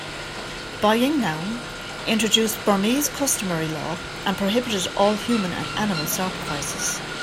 Bayinnaung introduced Burmese customary law and prohibited all human and animal sacrifices.